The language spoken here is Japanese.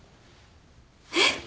えっ！？